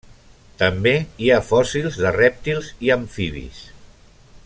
També hi ha fòssils de rèptils i amfibis.